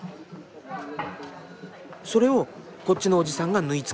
それをこっちのおじさんが縫いつけていく。